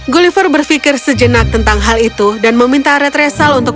gulliver berpikir sejenak tentang hal itu dan meminta red